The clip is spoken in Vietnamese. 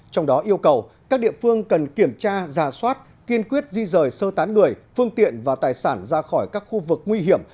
trong đó yêu cầu các địa phương cần kiểm tra giả soát kiên quyết di rời sơ tán người phương tiện và tài sản ra khỏi các khu vực nguy hiểm